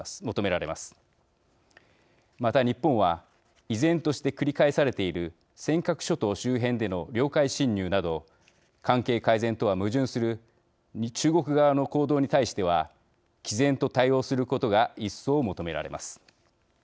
また、日本は依然として繰り返されている尖閣諸島周辺での領海侵入など関係改善とは矛盾する中国側の行動に対してはきぜんと対応することが一層、求められます。